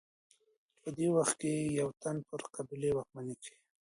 په دې وخت کي یو تن پر قبیلې واکمني کوي.